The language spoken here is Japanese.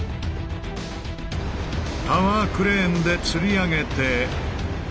タワークレーンでつり上げて。